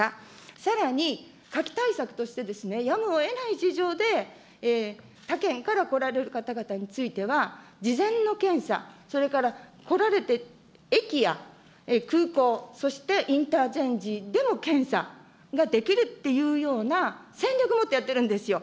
さらにかき対策としてやむをえない事情で、他県から来られる方々については、事前の検査、それから来られて駅や空港、そしてインターチェンジでも検査ができるっていうような戦略持ってやってるんですよ。